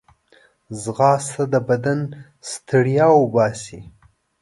ځغاسته د بدن ستړیا وباسي